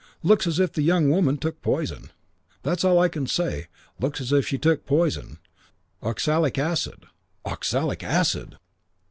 Looks as if the young woman took poison. That's all I can say. Looks as if she took poison. Oxalic acid." "Oxalic acid!"